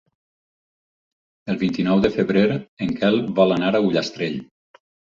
El vint-i-nou de febrer en Quel vol anar a Ullastrell.